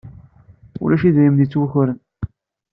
Ulac idrimen i yettwakren.